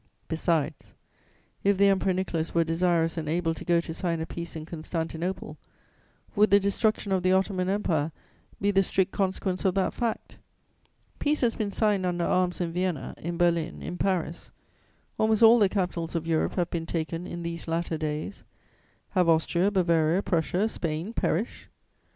"Besides, if the Emperor Nicholas were desirous and able to go to sign a peace in Constantinople, would the destruction of the Ottoman Empire be the strict consequence of that fact? Peace has been signed under arms in Vienna, in Berlin, in Paris; almost all the capitals of Europe have been taken in these latter days: have Austria, Bavaria, Prussia, Spain perished?